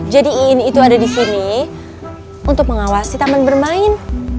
jadi iin itu ada di sini untuk mengawasi taman bermain